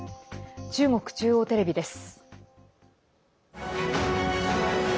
中国中央テレビです。